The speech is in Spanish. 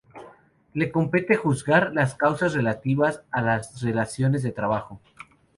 Le compete juzgar las causas relativas a las relaciones de trabajo.